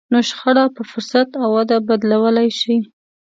نو شخړه په فرصت او وده بدلولای شئ.